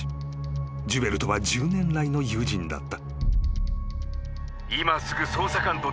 ［ジュエルとは１０年来の友人だった］